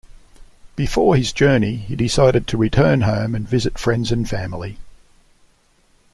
Before his journey, he decided to return home and visit friends and family.